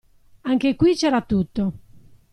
Anche qui c'era tutto.